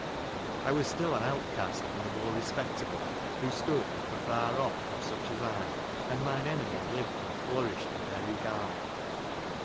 I was still an outcast from the more respectable, who stood afar off from such as I ; and mine enemy lived and flourished in their regard.